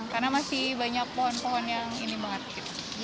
karena masih banyak pohon pohon yang ini banget gitu